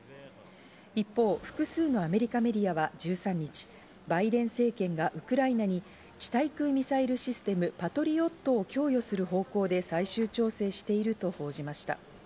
一方、複数のアメリカメディアは１３日、バイデン政権がウクライナに地対空ミサイルシステム・パトリオットを供与する方向で最終調整していると報じました。